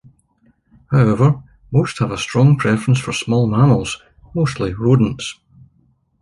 However, most have a strong preference for small mammals, mostly rodents.